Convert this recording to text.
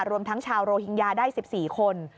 รวมทั้งชาวโรฮิงญาได้๑๔คน